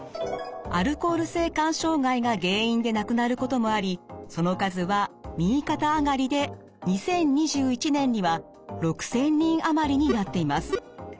アルコール性肝障害が原因で亡くなることもありその数は右肩上がりで２０２１年には６，０００人余りになっています。